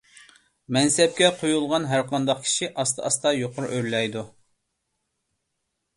مەنسەپكە قويۇلغان ھەرقانداق كىشى ئاستا - ئاستا يۇقىرى ئۆرلەيدۇ.